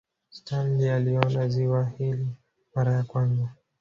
Stanley aliona ziwa hili mara ya kwanza